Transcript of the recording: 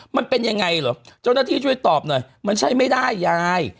มันเป็นยังไงเหรอเจ้าหน้าที่ช่วยตอบหน่อยมันใช้ไม่ได้ยาย